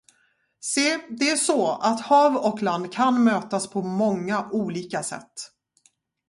Se, det är så, att hav och land kan mötas på många olika sätt.